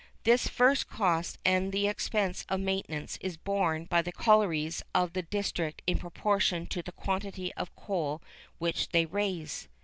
This first cost and the expense of maintenance is borne by the collieries of the district in proportion to the quantity of coal which they raise.